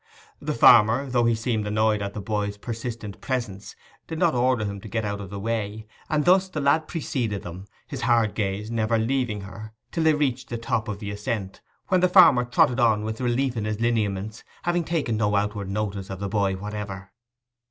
The farmer, though he seemed annoyed at the boy's persistent presence, did not order him to get out of the way; and thus the lad preceded them, his hard gaze never leaving her, till they reached the top of the ascent, when the farmer trotted on with relief in his lineaments—having taken no outward notice of the boy whatever.